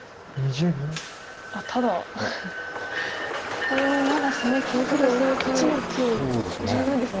あっただこれもまだ攻め継続する気十分ですね。